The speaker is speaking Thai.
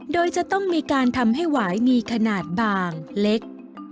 โดยจะต้องมีการทำให้หวายมีขนาดบางเล็ก